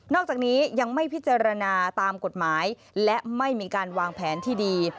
อกจากนี้ยังไม่พิจารณาตามกฎหมายและไม่มีการวางแผนที่ดี